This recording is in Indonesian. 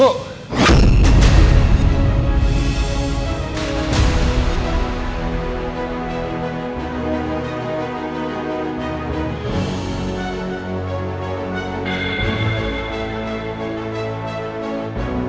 aku harus berhasil